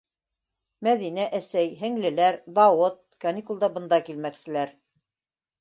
- Мәҙинә әсәй, һеңлеләр, Дауыт каникулда бында килмәкселәр.